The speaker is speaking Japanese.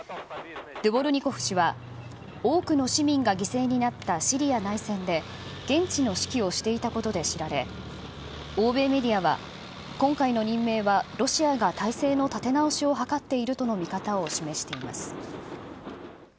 ドゥボルニコフ氏は、多くの市民が犠牲になったシリア内戦で、現地の指揮をしていたことで知られ、欧米メディアは、今回の任命はロシアが体制の立て直しを図っているとの見方を示しています。